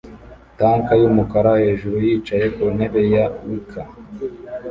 tank yumukara hejuru yicaye ku ntebe ya wicker